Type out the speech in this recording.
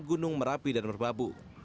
gunung merapi dan merbabu